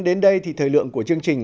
đến đây thì thời lượng của chương trình